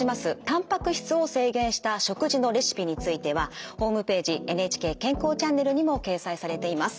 たんぱく質を制限した食事のレシピについてはホームページ「ＮＨＫ健康チャンネル」にも掲載されています。